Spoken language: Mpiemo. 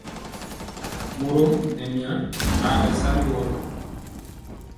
Morom nɛ mya ɓaa ɓɛ naa nɛ wɔrɔ.